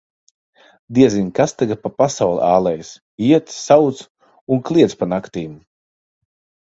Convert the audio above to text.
Diezin, kas tagad pa pasauli ālējas: iet, sauc un kliedz pa naktīm.